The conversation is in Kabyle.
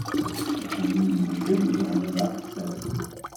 Lḥenni yewjed, yeɣma d aqessas.